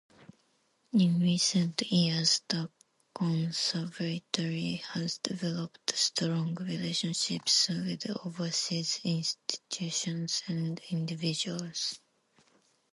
In recent years, the Conservatory has developed strong relationships with overseas institutions and individuals.